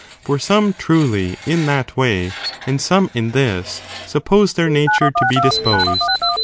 For some, truly, in that way, and some in this, suppose their nature to be dis posed.